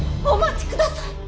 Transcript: お待ちください！